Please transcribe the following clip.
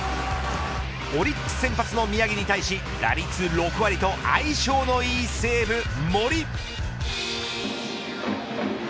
オリックス先発の宮城に対し打率６割と相性のいい西武、森。